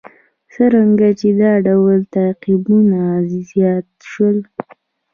څرنګه چې دا ډول تعقیبونه زیات شول.